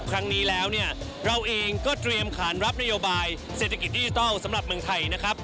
ครั้งนี้แล้วเนี่ยเราเองก็เตรียมขานรับนโยบายเศรษฐกิจดิจิทัลสำหรับเมืองไทยนะครับ